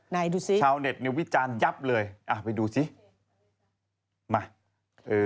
ดูสิชาวเน็ตเนี่ยวิจารณ์ยับเลยอ่าไปดูสิมาเออ